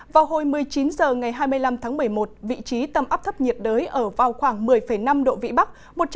vào hồi một mươi chín h ngày hai mươi năm tháng một mươi một vị trí tâm áp thấp nhiệt đới ở vào khoảng một mươi năm độ vĩ bắc